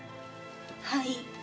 はい。